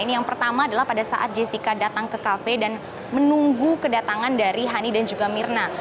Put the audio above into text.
ini yang pertama adalah pada saat jessica datang ke kafe dan menunggu kedatangan dari hani dan juga mirna